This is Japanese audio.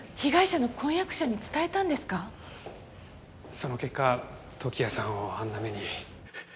その結果時矢さんをあんな目に。